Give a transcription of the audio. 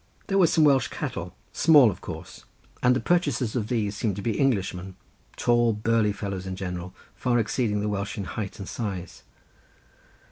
There were some Welsh cattle, small of course, and the purchasers of these seemed to be Englishmen, tall burly fellows in general, far exceeding the Welsh in height and size.